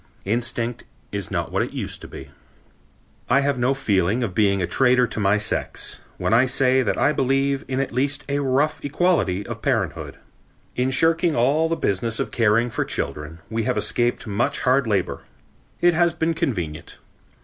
Instinct is not what it used to be. I have no feeling of being a traitor to my sex, when I say that I believe in at least a rough equality of parenthood. In shirking all the business of caring for children we have escaped much hard labor. It has been convenient.